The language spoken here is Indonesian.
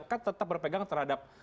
kan tetap berpegang terhadap